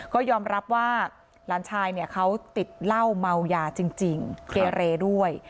ก็ยอมรับว่าหลานชายเนี่ยเขาติดเหล้าเมายาจริงเกเรด้วย